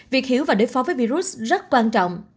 việc hiểu và đối phó với virus rất quan trọng